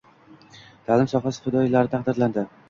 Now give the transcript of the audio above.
Ta’lim sohasi fidoyilari taqdirlandi